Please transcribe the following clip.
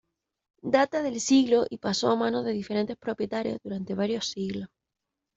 Data del siglo y pasó a manos de diferentes propietarios durante varios siglos.